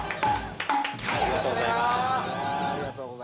◆ありがとうございます。